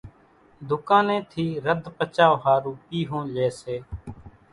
ڌُوڪانين ٿي رڌ پچاءُ ۿارُو پيۿون لئي سي،